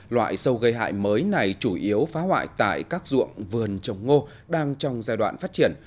loại sâu gây hại mới này chủ yếu phá hoại tại các ruộng vườn trồng ngô đang trong giai đoạn phát triển